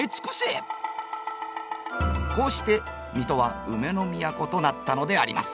こうして水戸はウメの都となったのであります。